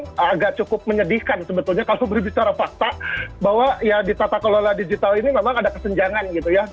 yang agak cukup menyedihkan sebetulnya kalau berbicara fakta bahwa ya di tata kelola digital ini memang ada kesenjangan gitu ya